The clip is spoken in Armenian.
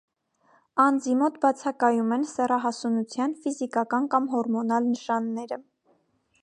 Անձի մոտ բացակայում են սեռահասունության ֆիզիկական կամ հորմոնալ նշանները։